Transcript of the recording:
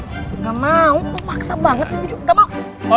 gak mau lu paksa banget sih gak mau